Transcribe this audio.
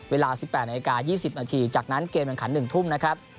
เวลา๑๘นาที๒๐นาทีจากนั้นเกมแข่งขัน๑ทุ่มนะครับ